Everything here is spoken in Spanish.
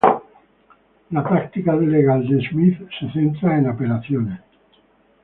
La práctica legal de Smith se centra en apelaciones.